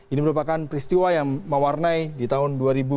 ini merupakan peristiwa yang mewarnai di tahun dua ribu dua puluh